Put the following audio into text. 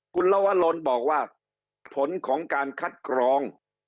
คุณลวรนบอกว่าผลของการคัดกรอง